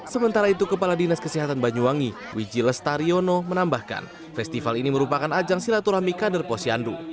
sementara itu kepala dinas kesehatan banyuwangi wiji lestariono menambahkan festival ini merupakan ajang silaturahmi kader posyandu